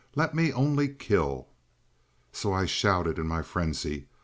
"Let me only kill!" So I shouted in my frenzy.